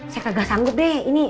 saya kagak sanggup deh ini